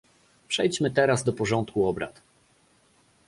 Przejdźmy teraz do porządku obrad